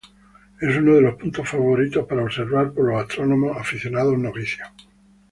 Es uno de los puntos favoritos para observar por los astrónomos aficionados novicios.